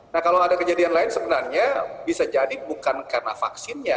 nah kalau ada kejadian lain sebenarnya bisa jadi bukan karena vaksinnya